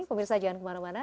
pemirsa jangan kemana mana